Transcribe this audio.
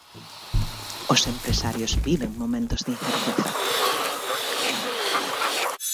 Os empresarios viven momentos de incerteza.